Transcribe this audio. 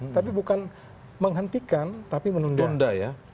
tapi bukan menghentikan tapi menunda